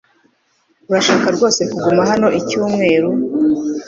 Urashaka rwose kuguma hano icyumweru?